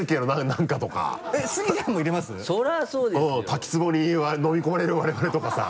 滝つぼに飲み込まれる我々とかさ。